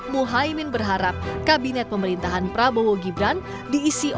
mahaimind berharap kabinet pemerintahan prabowo gibran diisi orang orang dengan kriteria baik